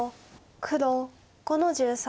黒５の十三。